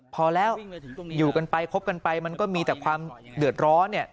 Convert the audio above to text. พอแล้วอยู่กันไปคบกันไปมันก็มีแต่ความเดือดร้อนเนี่ย